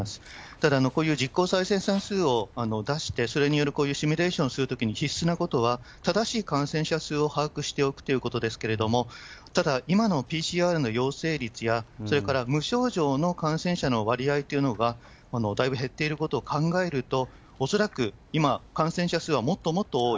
ただ、こういう実効再生産数を出して、それによるこういうシミュレーションするときに必要なことは、正しい感染者数を把握しておくということですけれども、ただ、今のＰＣＲの陽性率や、それから無症状の感染者の割合というのがだいぶ減っていることを考えると、恐らく今、感染者数はもっともっと多い。